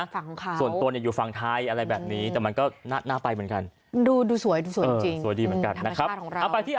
ฝั่งของเขาส่วนตัวเนี่ยอยู่ฝั่งไทยอะไรแบบนี้แต่มันก็น่าไปเหมือนกันดูดูสวยดูสวยจริงสวยดีเหมือนกันนะครับ